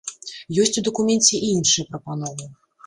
Ёсць у дакуменце і іншыя прапановы.